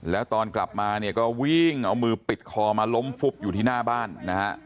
แล้วตอนกลับมาเนี่ยก็วิ่งเอามือปิดคอมาล้มฟุบอยู่ที่หน้าบ้านนะฮะ